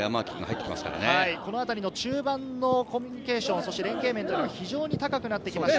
中盤のコミュニケーション、そして連係面は非常に高くなってきました。